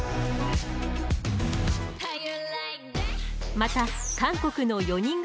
また韓国の４人組